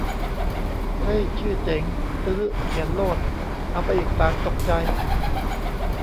เฮ้ย ชื่อเจ๋ง ! ซื้อ ! เขียนโลด ! เอาไปอีกสามตกใจ !